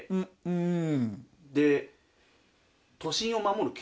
うん。